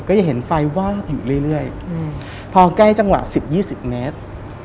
ก็จะเห็นไฟวาดอยู่เรื่อยเรื่อยอืมพอใกล้จังหวะสิบยี่สิบเมตร